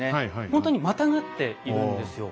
本当にまたがっているんですよ。